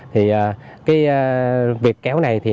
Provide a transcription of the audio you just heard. thì cái việc kéo này